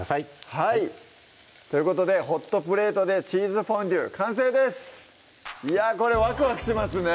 はいということで「ホットプレートでチーズフォンデュ」完成ですいやこれワクワクしますね